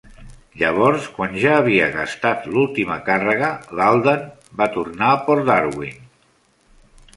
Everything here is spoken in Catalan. Llavors, quan ja havia gastat l'última càrrega, l'"Alden" va tornar a Port Darwin.